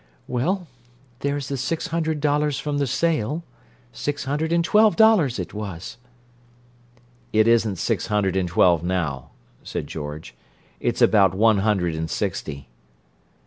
"Well, there's the six hundred dollars from the sale. Six hundred and twelve dollars it was." "It isn't six hundred and twelve now," said George. "It's about one hundred and sixty."